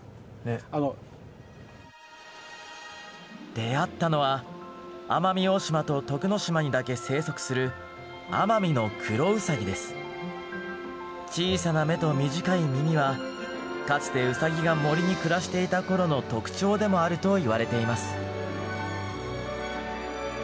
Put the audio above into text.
出会ったのは奄美大島と徳之島にだけ生息する小さな目と短い耳はかつてウサギが森に暮らしていた頃の特徴でもあるといわれています。